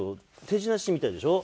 手品師みたいでしょ？